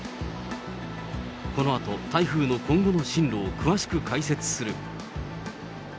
このあと、台風の今後の進路を詳しく解説する。